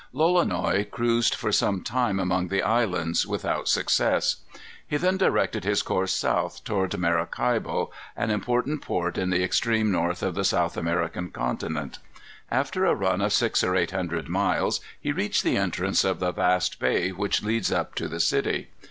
Lolonois cruised for some time among the islands, without success. He then directed his course south toward Maracaibo, an important port in the extreme north of the South American continent. After a run of six or eight hundred miles, he reached the entrance of the vast bay which leads up to the city.